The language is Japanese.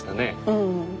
うん。